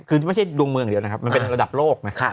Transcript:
คือไม่ใช่คนดวงเมืองเหมือนระดับโลก